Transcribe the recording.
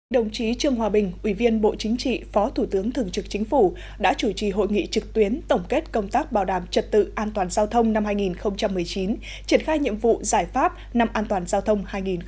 đồng chí trương hòa bình ủy viên bộ chính trị phó thủ tướng thường trực chính phủ đã chủ trì hội nghị trực tuyến tổng kết công tác bảo đảm trật tự an toàn giao thông năm hai nghìn một mươi chín triển khai nhiệm vụ giải pháp năm an toàn giao thông hai nghìn hai mươi